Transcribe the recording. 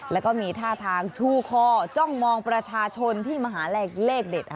แล้วก็มีท่าทางชูคอจ้องมองประชาชนที่มาหาเลขเด็ด